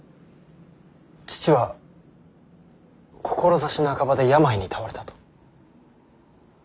父は志半ばで病に倒れたと。